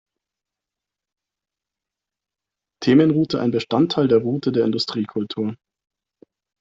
Themenroute ein Bestandteil der Route der Industriekultur.